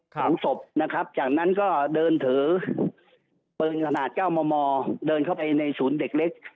หลังศพจากนั้นก็เดินถือเปิดขนาดเก้าหม่อเดินเข้าไปในศูนย์เด็กเล็ก